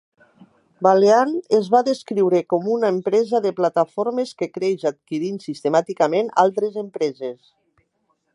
Valeant es va descriure com una empresa de plataformes que creix adquirint sistemàticament altres empreses.